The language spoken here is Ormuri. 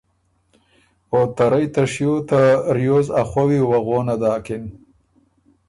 او ته رئ ته شیو ته ریوز ا خووی وه غونه داکِن۔